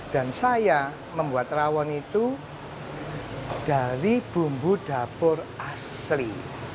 dan saya membuat rawon itu dari bumbu dapur asli